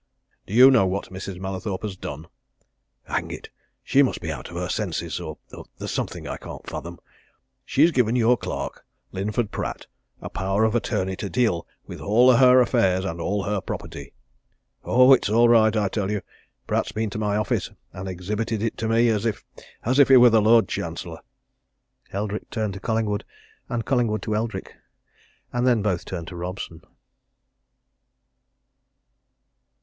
Do you know what Mrs. Mallathorpe has done? Hang it, she must be out of her senses, or or there's something I can't fathom. She's given your clerk, Linford Pratt, a power of attorney to deal with all her affairs and all her property! Oh, it's all right, I tell you! Pratt's been to my office, and exhibited it to me as if as if he were the Lord Chancellor!" Eldrick turned to Collingwood, and Collingwood to Eldrick and then both turned to Robson.